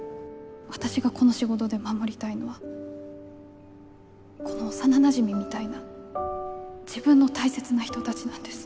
私がこの仕事で守りたいのはこの幼なじみみたいな自分の大切な人たちなんです。